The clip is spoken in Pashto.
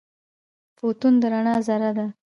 فوتون د رڼا ذره ده.